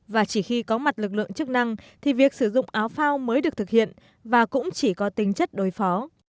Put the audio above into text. và chỉ khi có mặt lực lượng chức năng thì việc sử dụng áo phao mới được thực hiện và cũng chỉ có tính chất đối phó